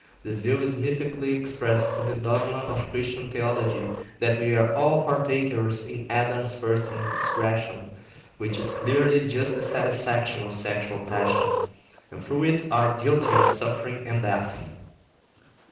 This view is mythically expressed in the dogma of Christian theology that we are all partakers in Adam's first transgression (which is clearly just the satisfaction of sexual passion), and through it are guilty of suffering and death.